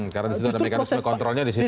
karena disitu ada mekanisme kontrolnya disitu ya